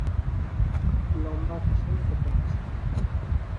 লম্বা ঘাসের মতো গাছ।